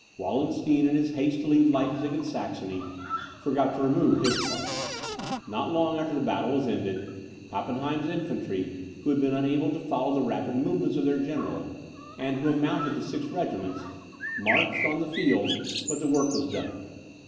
Wallenstein, in his haste to leave Leipzig and Saxony, forgot to remove his part. Not long after the battle was ended, Pappenheim's infantry, who had been unable to follow the rapid movements of their general, and who amounted to six regiments, marched on the field, but the work was done.